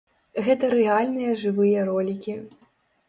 Гэта рэальныя жывыя ролікі!